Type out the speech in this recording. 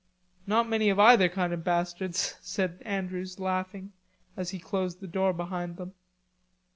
"Not many of either kind of bastards," said Andrews laughing, as he closed the door behind them.